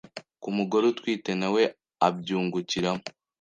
Ku mugore utwite nawe abyungukiramo